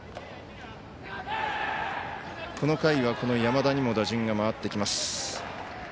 この回は山田にも打順が回ってきます。